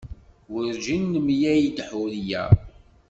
Werjin nemlal-d Ḥuriya.